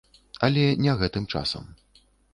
Але не гэтым часам.